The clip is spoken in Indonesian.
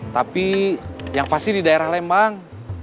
tapi yang pasti di daerah lembang